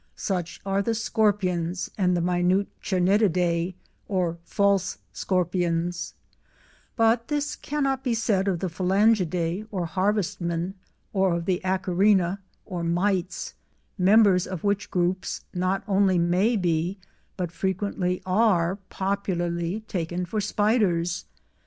Such are the Scorpions, and the minute Chernetidea or "False Scorpions," but this cannot be said of the Phalangidea or "harvestmen" or of the Acarina or "Mites," members of which groups not only may be, but frequently are popularly taken for spiders.